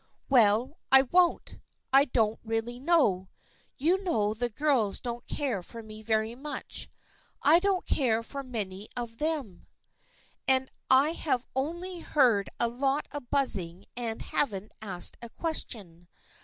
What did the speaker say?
" Well, I won't. I don't really know. You know the girls don't care for me very much. I don't care for many of them, and I have only heard a lot of buzzing and haven't asked a question.